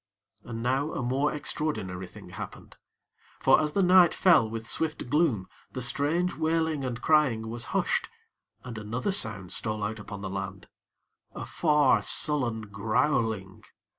And now a more extraordinary thing happened; for, as the night fell with swift gloom, the strange wailing and crying was hushed, and another sound stole out upon the land a far, sullen growling.